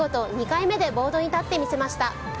２回目でボードに立って見せました。